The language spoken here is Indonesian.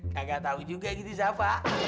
kagak tau juga gitu siapa